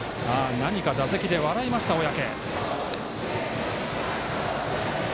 打席で笑いました、小宅。